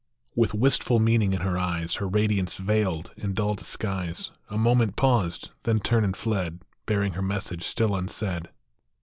With wistful meanings in her eyes, Her radiance veiled in dull disguise, A moment paused, then turned and fled, Bearing her message still unsaid.